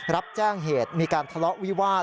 รับแจ้งเหตุมีการทะเลาะวิวาส